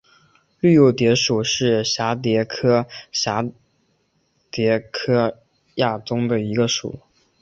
绿袖蝶属是蛱蝶科釉蛱蝶亚科中的一个属。